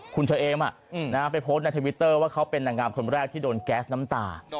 คุณเชอเอมไปโพสต์ในทวิตเตอร์ว่าเขาเป็นนางงามคนแรกที่โดนแก๊สน้ำตา